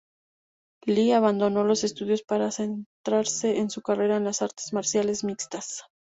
Lee abandonó los estudios para centrarse en su carrera en las artes marciales mixtas.